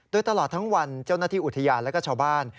โดยตลอดทั้งวันเจ้าหน้าที่อุทยานและก็ชาวบ้าน